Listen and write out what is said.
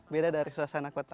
beda dari suasana kota